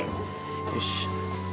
よし。